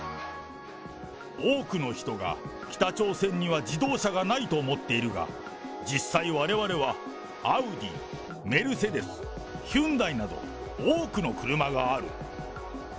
多くの人が北朝鮮には自動車がないと思っているが、実際われわれはアウディ、メルセデス、ヒュンダイなど、多くの車がある。